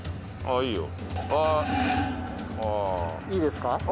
いいですか？